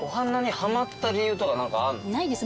ないです。